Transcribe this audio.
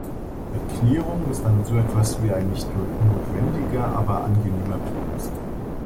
Erklärung ist dann so etwas wie ein nicht notwendiger, aber angenehmer Bonus.